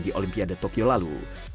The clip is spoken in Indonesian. di olimpiade tokyo lalu